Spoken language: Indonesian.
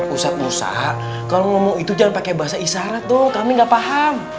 usahak kalau ngomong itu jangan pakai bahasa isyarat tuh kami nggak paham